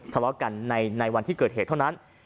ทะเลาะกันในวันที่เกิดเหตุเท่านั้น